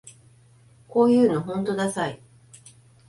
こういうのほんとダサい